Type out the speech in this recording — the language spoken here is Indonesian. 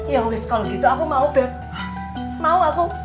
ya wis kalau gitu aku mau beb mau aku